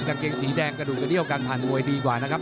กางเกงสีแดงกระดูกกระเดี้ยวการผ่านมวยดีกว่านะครับ